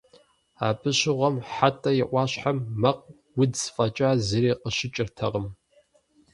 Абы щыгъуэм Хьэтӏэ и ӏуащхьэм мэкъу, удз фӏэкӏа зыри къыщыкӏыртэкъым.